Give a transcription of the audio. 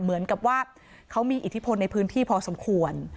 เหมือนกับว่าเขามีอิทธิพลในพื้นที่พอสมควร